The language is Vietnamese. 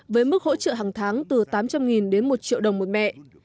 với mức hỗ trợ hàng tháng từ tám trăm linh đến một triệu đồng một mẹ